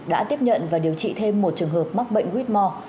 đã tiếp nhận và điều trị thêm một trường hợp mắc bệnh huyết mò